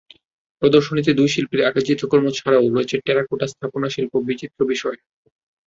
প্রদর্শনীতে দুই শিল্পীর আঁকা চিত্রকর্ম ছাড়াও রয়েছে টেরাকোটা, স্থাপনাশিল্পসহ বিচিত্র বিষয়।